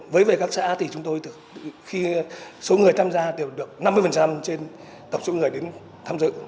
với các xã số người tham gia đều được năm mươi trên tổng số người đến tham dự